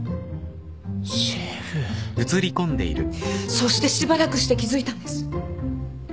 そしてしばらくして気付いたんです。